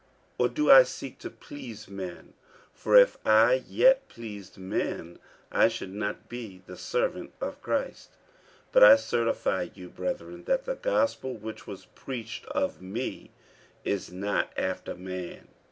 or do I seek to please men? for if I yet pleased men, I should not be the servant of Christ. 48:001:011 But I certify you, brethren, that the gospel which was preached of me is not after man.